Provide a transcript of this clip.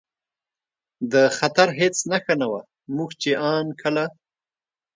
د خطر هېڅ نښه نه وه، موږ چې ان کله.